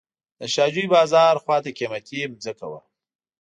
د شاه جوی بازار خواته قیمتي ځمکه وه.